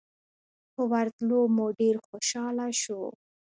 په ورتلو مو ډېر خوشاله شو.